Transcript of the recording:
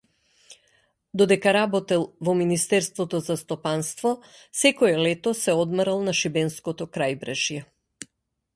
Додека работел во министерството за стопанство секое лето се одморал на шибенското крајбрежје.